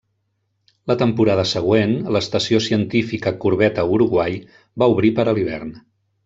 La temporada següent, l'Estació Científica Corbeta Uruguai va obrir per a l'hivern.